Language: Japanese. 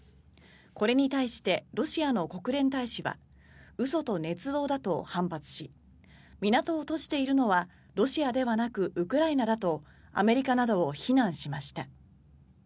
これに対してロシアの国連大使は嘘とねつ造だと反発し港を閉じているのはロシアではなくウクライナだとアメリカなどを非難しました。